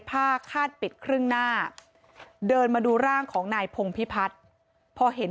คาดปิดครึ่งหน้าเดินมาดูร่างของนายพงพิพัฒน์พอเห็น